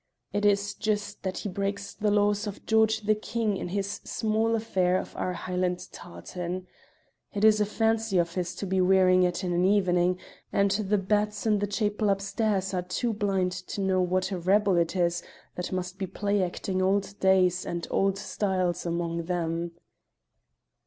It is just that he breaks the laws of George the king in this small affair of our Highland tartan. It is a fancy of his to be wearing it in an evening, and the bats in the chapel upstairs are too blind to know what a rebel it is that must be play acting old days and old styles among them."